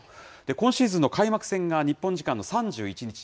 今シーズンの開幕戦が日本時間の３１日。